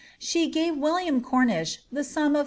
She gave William Cornish the sum of 13«.